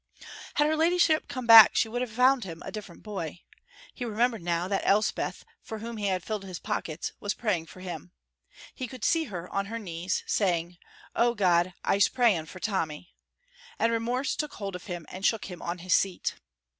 Had her ladyship come back she would have found him a different boy. He remembered now that Elspeth, for whom he had filled his pockets, was praying for him; he could see her on her knees, saying, "Oh, God, I'se praying for Tommy," and remorse took hold of him and shook him on his seat.